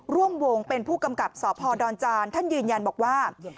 ร่วมวงเป็นผู้กำกับสพดอนจานท่านยืนยันบอกว่า